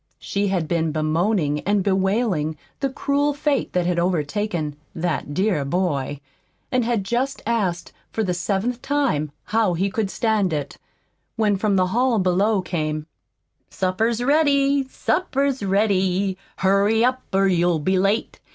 She had been bemoaning and bewailing the cruel fate that had overtaken "that dear boy," and had just asked for the seventh time how he could stand it, when from the hall below came: "Supper's ready, supper's ready, Hurry up or you'll be late.